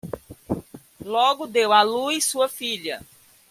Logo deu à luz sua filha